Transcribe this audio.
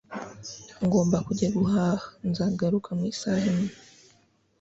ngomba kujya guhaha. nzagaruka mu isaha imwe